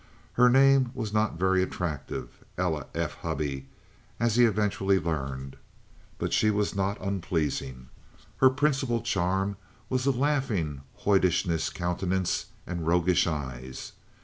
Her name was not very attractive—Ella F. Hubby, as he eventually learned—but she was not unpleasing. Her principal charm was a laughing, hoydenish countenance and roguish eyes.